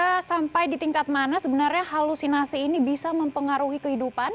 kita sampai di tingkat mana sebenarnya halusinasi ini bisa mempengaruhi kehidupan